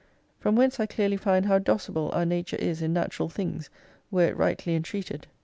From whence I clearly find how docible our Nature is in natural things, were it rightly entreated.